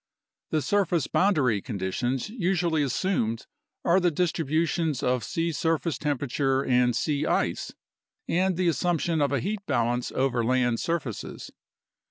The surface boundary conditions usually assumed are the distributions of sea surface temperature and sea ice, and the assumption of a heat balance over land surfaces.